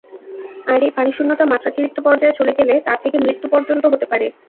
আর এই পানিশূন্যতা মাত্রাতিরিক্ত পর্যায়ে চলে গেলে তা থেকে মৃত্যু পর্যন্ত হতে পারে।